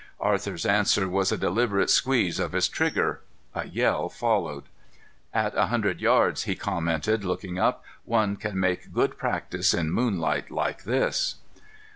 Arthur's answer was a deliberate squeeze of his trigger. A yell followed. "At a hundred yards," he commented, looking up, "one can make good practice in moonlight like this."